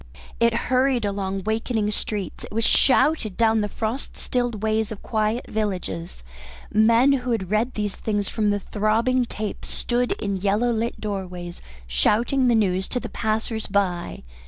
It hurried along awakening streets, it was shouted down the frost stilled ways of quiet villages, men who had read these things from the throbbing tape stood in yellow lit doorways shouting the news to the passers by.